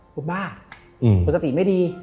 ผมบ้าผมสติไม่ดี